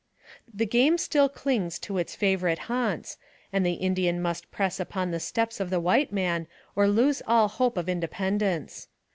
The game still clings to its favorite haunts, and the Indian must press upon the steps of the white man or lose all hope of independence.